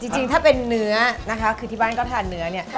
จริงถ้าเป็นเนื้อนะคะคือที่บ้านก็ทานเนื้อเนี่ย